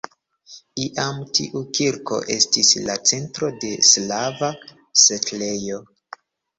Iam tiu kirko estis la centro de slava setlejo.